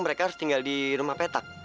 mereka harus tinggal di rumah petak